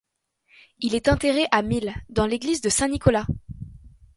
Il est enterré à Mile dans l'église de Saint Nicolas.